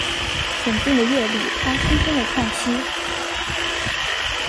沈静的夜里他深深的叹息